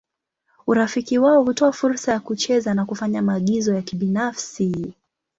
Urafiki wao hutoa fursa ya kucheza na kufanya maagizo ya kibinafsi.